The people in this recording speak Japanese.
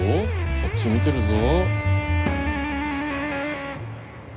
こっち見てるぞ。